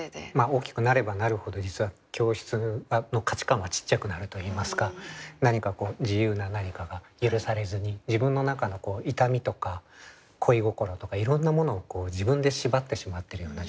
大きくなればなるほど実は教室の価値観はちっちゃくなるといいますか自由な何かが許されずに自分の中の痛みとか恋心とかいろんなものを自分で縛ってしまっているような状態というか。